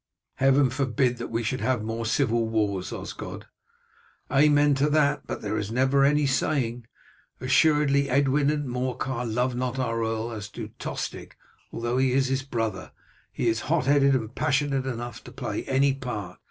"Heaven forbid that we should have more civil wars, Osgod." "Amen to that, but there is never any saying. Assuredly Edwin and Morcar love not our earl, and as to Tostig, though he is his brother, he is hot headed and passionate enough to play any part.